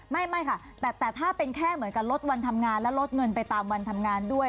ไม่ค่ะแต่ถ้าเป็นแค่เหมือนกับลดวันทำงานและลดเงินไปตามวันทำงานด้วย